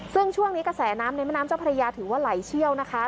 ซึ่งช่วงนี้กระแสน้ำในแม่น้ำเจ้าพระยาถือว่าไหลเชี่ยวนะคะ